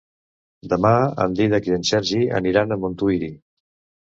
Demà en Dídac i en Sergi aniran a Montuïri.